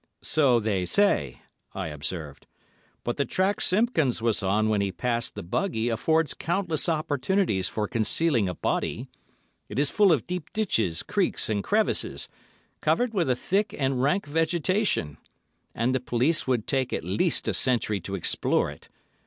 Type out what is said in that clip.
"So they say," I observed; "but the track Simpkins was on when he passed the buggy affords countless opportunities for concealing a body. It is full of deep ditches, creeks, and crevices, covered with a thick and rank vegetation, and the police would take at least a century to explore it.